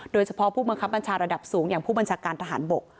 โดยเฉพาะผู้บังคับบัญชาระดับสูงอย่างผู้บัญชาการทหารบก